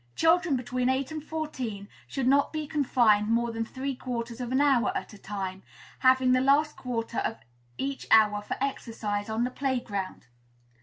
Children between eight and fourteen should not be confined more than three quarters of an hour at a time, having the last quarter of each hour for exercise on the play ground.